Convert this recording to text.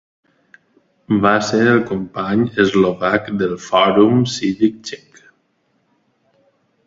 Va ser el company eslovac del Fòrum cívic Txec.